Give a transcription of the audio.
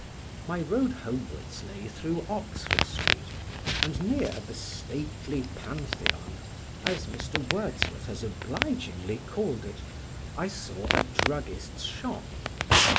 My road homewards lay through Oxford Street; and near "the stately Pantheon" (as Mr. Wordsworth has obligingly called it) I saw a druggist's shop.